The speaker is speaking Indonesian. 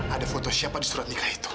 ada foto siapa di surat nikah itu